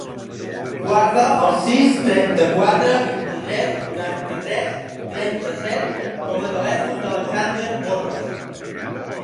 Guarda el sis, trenta-quatre, vint-i-tres, noranta-tres, trenta-set com a telèfon de l'Alexander Borras.